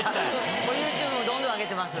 ＹｏｕＴｕｂｅもどんどん上げてます。